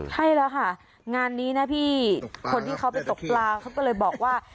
ใช่แล้วค่ะงานนี้นะพี่คนที่เขาไปตกปลาเขาก็เลยบอกว่า